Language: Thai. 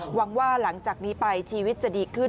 หวังว่าหลังจากนี้ไปชีวิตจะดีขึ้น